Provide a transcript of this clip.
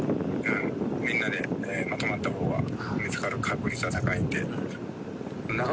みんなでまとまったほうが見つかる確率が高いので。